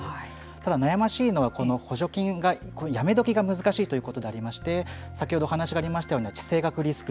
ただ、悩ましいのはこの補助金がやめどきが難しいということでありまして先ほど、お話がありましたような地政学リスク